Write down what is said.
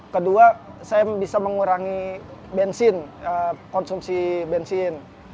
kedua saya bisa mengurangi bensin konsumsi bensin